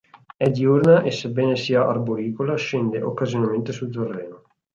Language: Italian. È diurna e, sebbene sia arboricola, scende occasionalmente sul terreno.